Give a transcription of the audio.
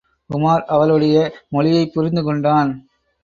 உமார் அவளுடைய மொழியைப் புரிந்து கொண்டான்.